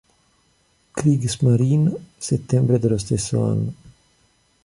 Kriegsmarine settembre dello stesso anno.